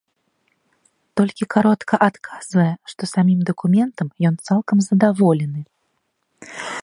Толькі каротка адказвае, што самім дакументам ён цалкам задаволены.